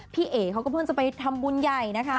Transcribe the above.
พี่เอ๋เขาก็เพิ่งจะไปทำบุญใหญ่นะคะ